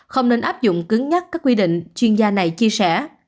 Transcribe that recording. không nên áp dụng cứng nhắc các quy định chuyên gia này chia sẻ